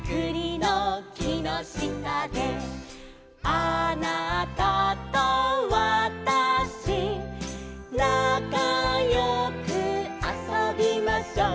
「あなたとわたし」「なかよくあそびましょう」